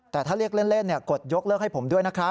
แต่ถ้าเรียกเล่นกดยกเลิกให้ผมด้วยนะครับ